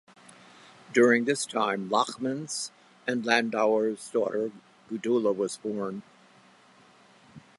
During this time Lachmann's and Landauer's daughter Gudula was born.